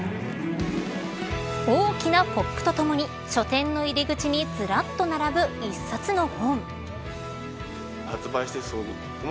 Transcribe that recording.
大きなポップとともに書店の入り口にずらっと並ぶ一冊の本。